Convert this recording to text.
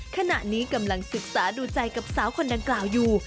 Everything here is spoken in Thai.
ขณะนี้กำลังศึกษาดูใจกับสาวคนดังกล่าวอยู่